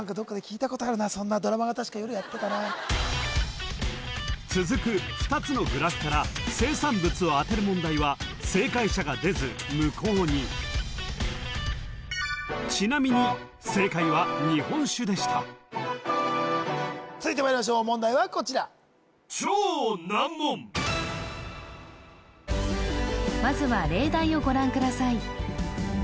そんなドラマが確か夜やってたな続く２つのグラフから生産物を当てる問題は正解者が出ず無効にちなみに正解は日本酒でした続いてまいりましょう問題はこちらまずは例題をご覧ください